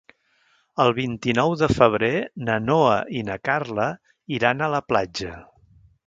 El vint-i-nou de febrer na Noa i na Carla iran a la platja.